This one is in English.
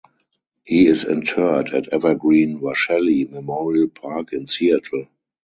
He is interred at Evergreen Washelli Memorial Park in Seattle.